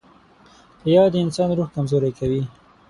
• ریا د انسان روح کمزوری کوي.